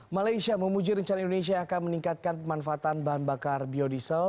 malaysia memuji rencana indonesia akan meningkatkan pemanfaatan bahan bakar biodiesel